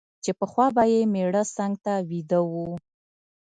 چي پخوا به یې مېړه څنګ ته ویده وو